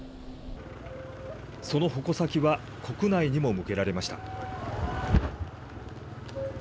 その矛先は国内にも向けられました。